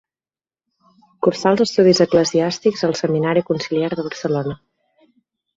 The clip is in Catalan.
Cursà els estudis eclesiàstics al Seminari Conciliar de Barcelona.